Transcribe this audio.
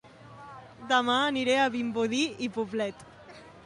Dema aniré a Vimbodí i Poblet